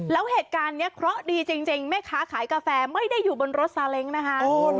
แล้วเหตุการณ์นี้เคราะห์ดีจริงแม่ค้าขายกาแฟไม่ได้อยู่บนรถซาเล้งนะคะ